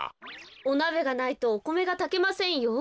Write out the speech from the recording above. おなべがないとおこめがたけませんよ。